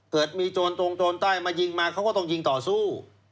เกิดมีโจรตรงโจรใต้มายิงมาเขาก็ต้องยิงต่อสู้